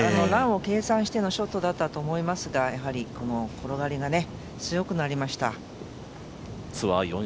ランを計算してのショットだったと思いますが、転がりが強くなりました。